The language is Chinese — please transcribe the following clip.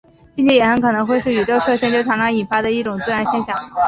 并且也很可能会是宇宙射线就常常引发的一种自然现象。